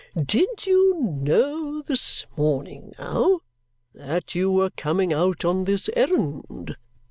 "Did you know this morning, now, that you were coming out on this errand?"